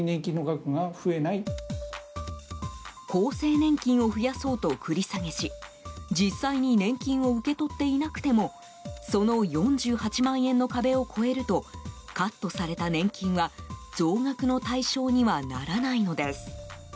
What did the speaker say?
厚生年金を増やそうと繰り下げし実際に年金を受け取っていなくてもその４８万円の壁を超えるとカットされた年金は増額の対象にはならないのです。